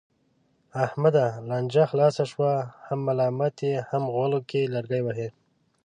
احمده! لانجه خلاصه شوه، هم ملامت یې هم غولو کې لرګی وهې.